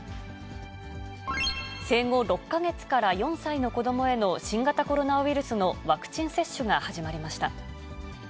生後６か月から４歳の子どもへの新型コロナウイルスのワクチン接種が始まりました。